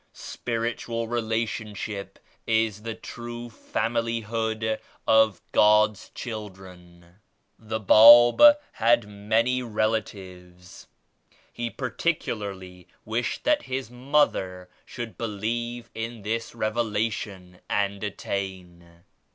46 "Spiritual Relationship is the true Family hood of God's children. The Bab had many relatives. He particularly wished that His mother should believe in this Revelation and at tain.